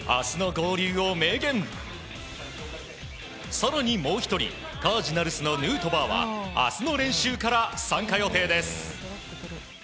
更にもう１人カージナルスのヌートバーは明日の練習から参加予定です。